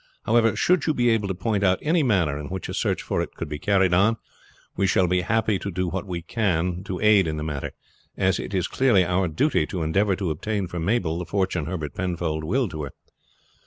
However, should you be able to point out any manner in which a search for it can be carried on, we shall be happy to do what we can to aid in the matter, as it is clearly our duty to endeavor to obtain for Mabel the fortune Herbert Penfold willed to her.